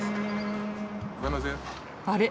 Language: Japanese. あれ？